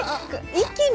⁉一気に⁉